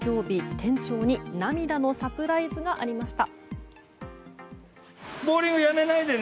店長に涙のサプライズがありました。